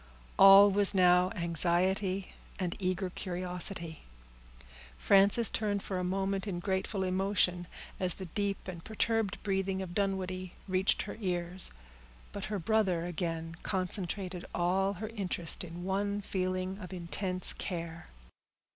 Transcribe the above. All was now anxiety and eager curiosity. Frances turned for a moment in grateful emotion, as the deep and perturbed breathing of Dunwoodie reached her ears; but her brother again concentrated all her interest in one feeling of intense care.